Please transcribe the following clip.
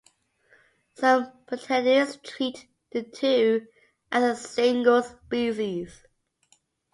Some botanists treat the two as a single species.